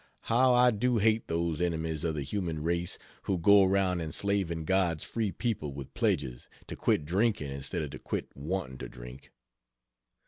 How I do hate those enemies of the human race who go around enslaving God's free people with pledges to quit drinking instead of to quit wanting to drink.